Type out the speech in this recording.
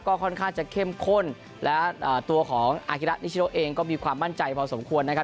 ก็ค่อนข้างจะเข้มข้นและอ่าตัวของเองก็มีความมั่นใจพอสมควรนะครับ